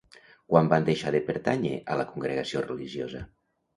Quan van deixar de pertànyer a la congregació religiosa?